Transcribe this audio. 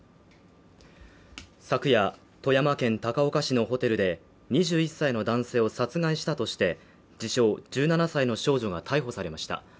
昨夜、富山県高岡市のホテルで、２１歳の男性を殺害したとして自称１７歳の少女が逮捕されました。